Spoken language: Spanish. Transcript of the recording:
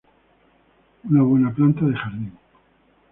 Una buena planta de jardín.